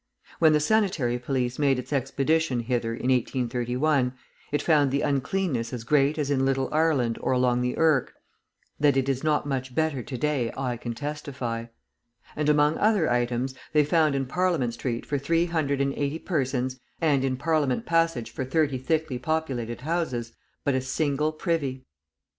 When the sanitary police made its expedition hither in 1831, it found the uncleanness as great as in Little Ireland or along the Irk (that it is not much better to day, I can testify); and among other items, they found in Parliament Street for three hundred and eighty persons, and in Parliament Passage for thirty thickly populated houses, but a single privy.